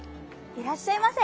いらっしゃいませ。